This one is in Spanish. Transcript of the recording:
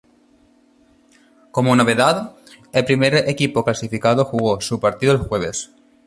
Como novedad, el primer equipo clasificado jugó su partido el jueves.